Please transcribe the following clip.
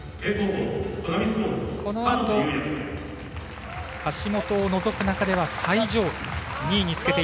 このあと橋本を除く中では最上位２位につける